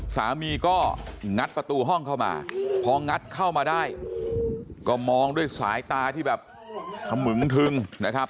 สามีก็งัดประตูห้องเข้ามาพองัดเข้ามาได้ก็มองด้วยสายตาที่แบบขมึงทึงนะครับ